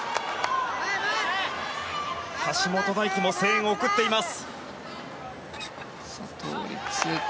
橋本大輝も声援を送っています。